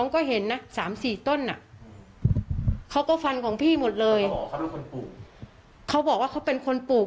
เขาบอกก็เป็นคนปลูก